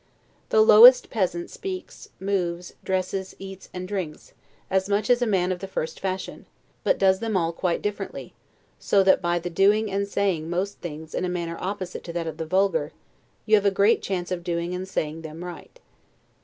The lowest peasant speaks, moves, dresses, eats, and drinks, as much as a man of the first fashion, but does them all quite differently; so that by doing and saying most things in a manner opposite to that of the vulgar, you have a great chance of doing and saying them right.